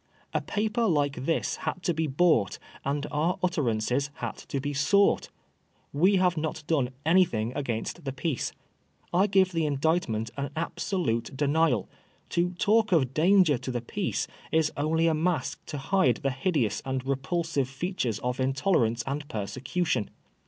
A paper like this had to be bought and our utterances had to be sought We have not done anything against the peace. I giye the Indictment an absolute denial To talk of danger to the peace is only a mask to hide the hideous and repulsive features of intolerance and persecution.